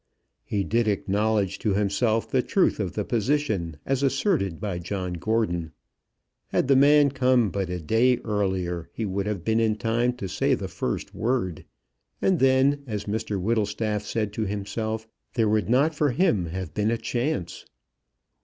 He did acknowledge to himself the truth of the position as asserted by John Gordon. Had the man come but a day earlier, he would have been in time to say the first word; and then, as Mr Whittlestaff said to himself, there would not for him have been a chance.